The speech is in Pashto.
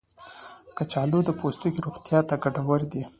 کچالو د پوستکي روغتیا ته ګټور دی.